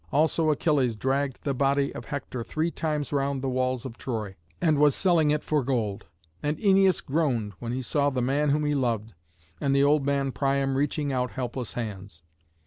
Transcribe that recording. Also Achilles dragged the body of Hector three times round the walls of Troy, and was selling it for gold. And Æneas groaned when he saw the man whom he loved, and the old man Priam reaching out helpless hands.